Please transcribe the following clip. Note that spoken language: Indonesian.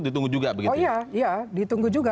ditunggu juga oh iya iya ditunggu juga